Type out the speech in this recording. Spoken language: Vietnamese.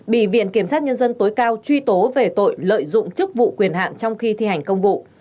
bị viện kiểm sát nhân dân tối cao truy tố về tội lợi dụng chức vụ quyền hạn trong khi thi hành công vụ